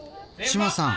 志麻さん